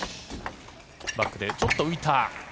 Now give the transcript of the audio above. バックでちょっと浮いた。